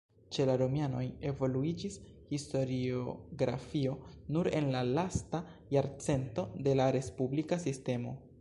Ĉe la romianoj evoluiĝis historiografio nur en la lasta jarcento de la respublika sistemo.